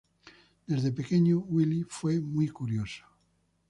Desde pequeño Wille fue muy curioso.